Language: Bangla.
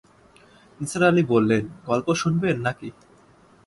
নিসার আলি বললেন, গল্প শুনবেন নাকি?